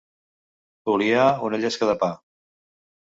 Oliar una llesca de pa.